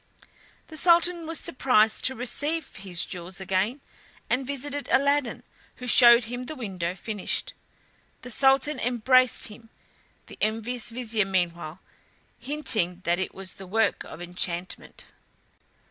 The Sultan was surprised to receive his jewels again, and visited Aladdin, who showed him the window finished. The Sultan embraced him, the envious vizier meanwhile hinting that it was the work of enchantment.